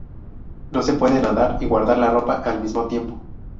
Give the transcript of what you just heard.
No se puede nadar y guardar la ropa al mismo tiempo